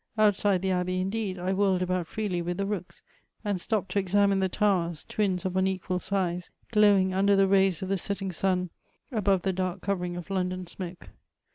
Outside the abbey, indeed^ I whirled about firedy with the rooks, and sbapped to examine the towers^ twins of unequal nz^ glowing under the rays of the setting sun, above the dark covering of LcMidon smcke.